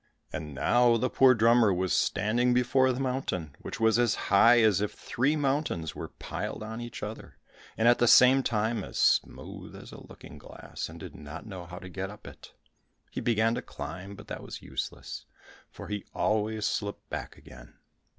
And now the poor drummer was standing before the mountain, which was as high as if three mountains were piled on each other, and at the same time as smooth as a looking glass, and did not know how to get up it. He began to climb, but that was useless, for he always slipped back again.